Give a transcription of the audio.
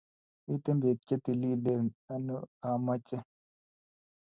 Miten peek che tililen ano amache